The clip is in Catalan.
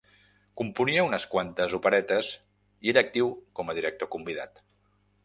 Componia unes quantes operetes, i era actiu com a director convidat.